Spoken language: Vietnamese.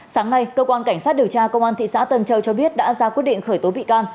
sáng nay cơ quan cảnh sát điều tra công an thị xã tân châu cho biết đã ra quyết định khởi tố bị can